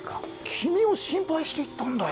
君を心配して言ったんだよ！